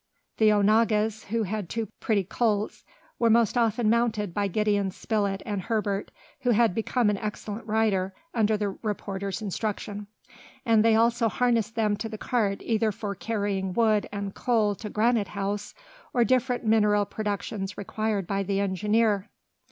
The onagas, who had two pretty colts, were most often mounted by Gideon Spilett and Herbert, who had become an excellent rider under the reporter's instruction, and they also harnessed them to the cart either for carrying wood and coal to Granite House, or different mineral productions required by the engineer.